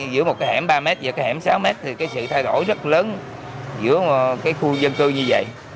giữa một cái hẻm ba m và cái hẻm sáu m thì cái sự thay đổi rất lớn giữa cái khu dân cư như vậy